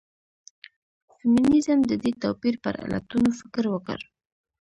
فيمنيزم د دې توپير پر علتونو فکر وکړ.